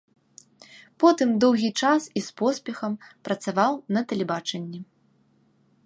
Потым доўгі час, і з поспехам, працаваў на тэлебачанні.